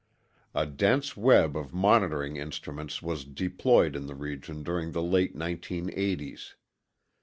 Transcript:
A dense web of monitoring instruments was deployed in the region during the late 1980s.